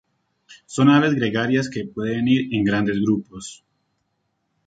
Son aves gregarias que pueden ir en grandes grupos.